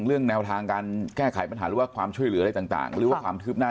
เรื่องแนวทางการแก้ไขปัญหาหรือว่าความช่วยเหลืออะไรต่างหรือว่าความคืบหน้า